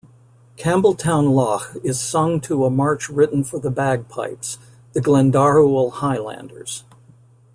Campbeltown Loch is sung to a march written for the bagpipes, "The Glendaruel Highlanders".